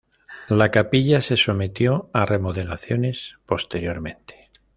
La capilla se sometió a remodelaciones posteriormente.